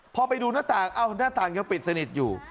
พอไปดูหน้าต่างหน้าต่างยังปิดสนิทอยู่